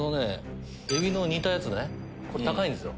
エビの煮たやつね高いんですよ。